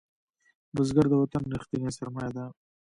بزګر د وطن ریښتینی سرمایه ده